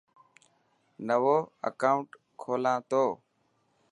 نوو اڪائوٽ کولان تو.